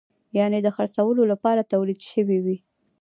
یعنې د خرڅولو لپاره تولید شوی وي.